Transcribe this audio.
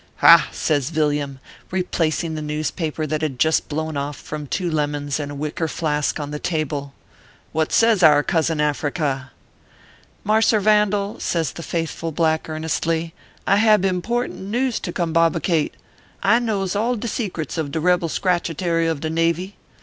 " Ha !" says Yilliam, replacing the newspaper that had just blown off from two lemons and a wicker flask on the table, " what says our cousin Africa ?"" Mars r Vandal," says the faithful black, earnestly, " I hab important news to combobicate. I knows all de secrets of de rebel Scratchetary of the Navy.